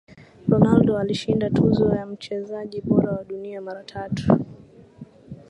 Ronaldo alishinda tuzo ya mchezaji bora wa Dunia mara tatu